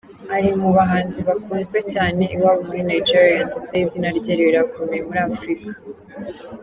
Ari mu bahanzi bakunzwe cyane iwabo muri Nigeria ndetse izina rye rirakomeye muri Afurika.